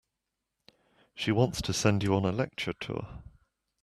She wants to send you on a lecture tour.